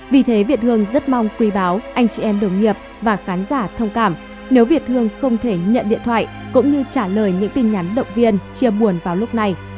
vì thế việt hương rất mong quý báo anh chị em đồng nghiệp và khán giả thông cảm nếu việt hương không thể nhận điện thoại cũng như trả lời những tin nhắn động viên chia buồn vào lúc này